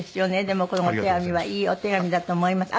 でもこのお手紙はいいお手紙だと思います。